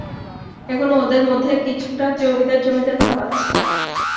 এখনো ওদের মধ্যে কিছুটা জমিদার-জমিদার ভাব আছে।